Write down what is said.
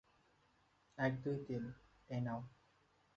এক দুই তিন, এই নাও।